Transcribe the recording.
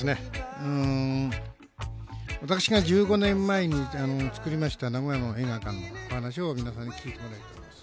うーん私が１５年前に作りました名古屋の映画館の話を皆さんに聞いてもらおうと思います」